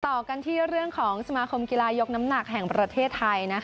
ต่อกันที่เรื่องของสมาคมกีฬายกน้ำหนักแห่งประเทศไทย